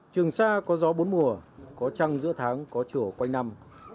trường sa có gió bốn mùa có trăng giữa tháng có chùa quanh năm